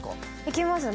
行きます。